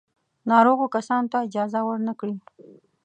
ناروغو کسانو ته اجازه ور نه کړي.